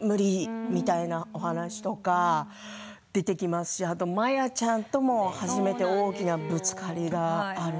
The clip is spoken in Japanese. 無理みたいなお話とか出てきますしマヤちゃんとも初めて大きなぶつかりがあって。